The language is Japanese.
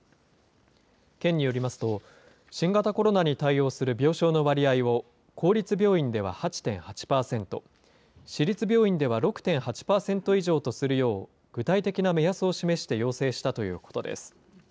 県によりますと、新型コロナに対応する病床の割合を、公立病院では８．８％、私立病院では６．８％以上とするよう、具体的な目安を示して要請したということです。